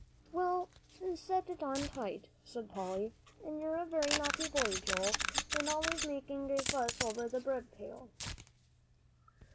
"Well, set it on tight," said Polly, "and you're a very naughty boy, Joel, and always making a fuss over the bread pail."